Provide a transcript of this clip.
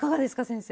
先生。